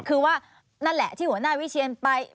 คือว่านั่นแหละที่หัวหน้าวิเชียนไป